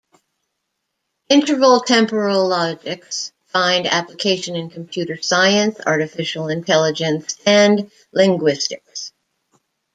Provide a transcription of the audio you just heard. Interval temporal logics find application in computer science, artificial intelligence and linguistics.